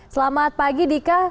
selamat pagi dika